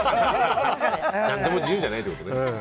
何でも自由じゃないってことね。